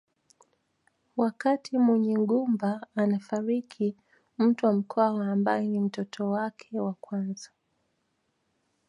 Wakati Munyigumba anafariki Mtwa Mkwawa ambaye ni mtoto wake wa kwanza